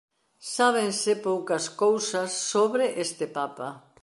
Sábense poucas cousas sobre este papa.